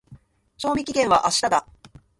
賞味期限は明日だ。